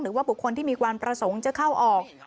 หรือว่าบุคคลที่มีความประสงค์จะเข้าออก